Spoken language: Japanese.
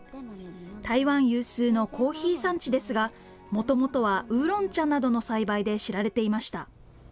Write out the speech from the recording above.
台湾有数のコーヒー産地ですが、もともとはウーロン茶などの栽培で知られていました。